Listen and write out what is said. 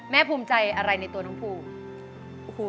ภูมิใจอะไรในตัวน้องภู